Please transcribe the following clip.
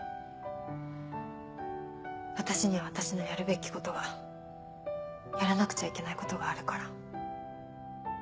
私には私のやるべきことがやらなくちゃいけないことがあるから。